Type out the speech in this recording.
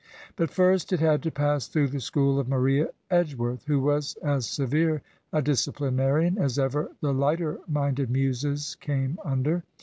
But first it had to pass through the school of Maria Edge worth, who was as severe a disciplinarian as ever the lighter minded muses came under.